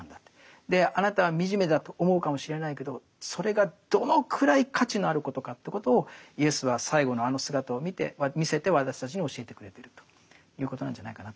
あなたは惨めだと思うかもしれないけどそれがどのくらい価値のあることかということをイエスは最後のあの姿を見て見せて私たちに教えてくれてるということなんじゃないかなと思いますけどね。